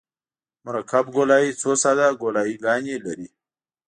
مرکب ګولایي څو ساده ګولایي ګانې لري